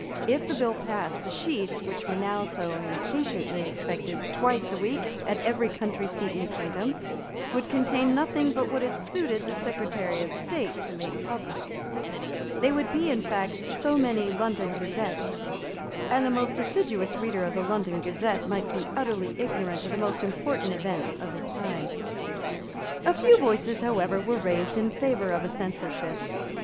If the bill passed, the sheets, which were now so impatiently expected twice a week at every country seat in the kingdom, would contain nothing but what it suited the Secretary of State to make public; they would be, in fact, so many London Gazettes; and the most assiduous reader of the London Gazette might be utterly ignorant of the most important events of his time. A few voices, however, were raised in favour of a censorship.